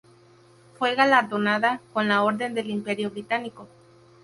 Fue galardonada con la Orden del Imperio Británico.